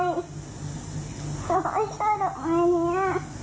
หนูเขาจะช่วยดอกมายนี้อ่ะ